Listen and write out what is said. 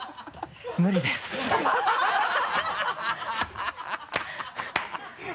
無理です。ハハハ